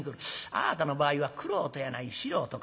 あぁたの場合は玄人やない素人か。